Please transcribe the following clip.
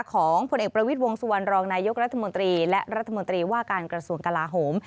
ผลเอกประวิทย์วงสุวรรณรองนายกรัฐมนตรีและรัฐมนตรีว่าการกระทรวงกลาโหม